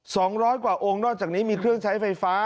สองร้อยกว่าองค์นอกจากนี้มีเครื่องใช้ไฟฟ้า